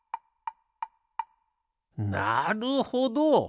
なるほど！